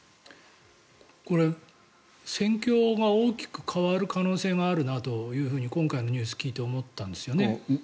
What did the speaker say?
これ、戦況が大きく変わる可能性があるなと今回のニュースを聞いて思ったんですよね。